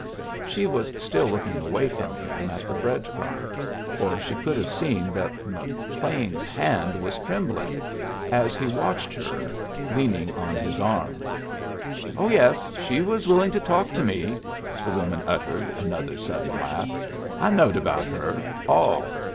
She was still looking away from him at the bread crumb, or she could have seen that McLean's hand was trembling as he watched her leaning on his arms. "Oh yes, she was willing to talk to me!" The woman uttered another sudden laugh. "I knowed about her all.